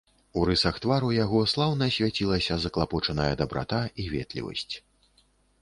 У рысах твару яго слаўна свяцілася заклапочаная дабрата і ветлівасць.